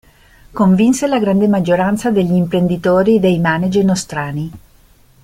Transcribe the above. Convinse la grande maggioranza degli imprenditori e dei manager nostrani.